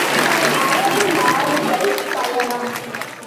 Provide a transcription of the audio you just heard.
● அரபு நாடுகள் பயணம்.